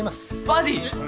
バディー？